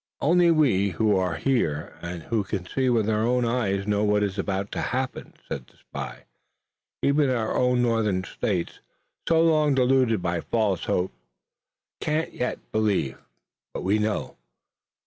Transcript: "Only we who are here and who can see with our own eyes know what is about to happen," said the spy. "Even our own Northern states, so long deluded by false hopes, can't yet believe, but we know."